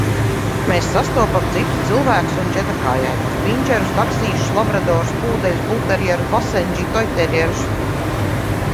Mēs sastopam citus cilvēkus un četrkājainos – pinčerus, taksīšus, labradorus, pūdeļus, bulterjerus, basendži, toiterjerus...